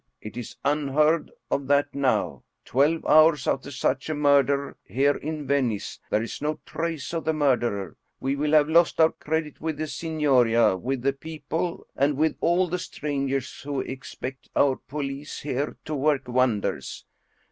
It is unheard of that now, twelve hours after such a murder here in Venice,, there is no trace of the murderer. We will have lost our credit with the Signoria, with the people, and with all the strangers who expect our police here to work wonders.